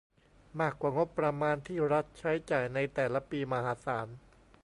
มากกว่างบประมาณที่รัฐใช้จ่ายในแต่ละปีมหาศาล